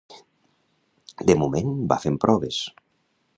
De moment va fent proves.